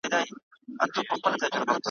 او پر ځای د بلبلکو مرغکیو ,